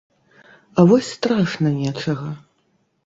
А вось страшна нечага.